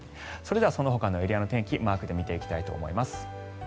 それではそのほかのエリアの天気マークで見ていきたいと思います。